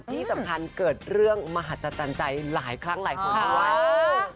ที่สำคัญเกิดเรื่องมหัศจรรย์ใจหลายครั้งหลายคนด้วย